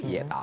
iya tahu tuh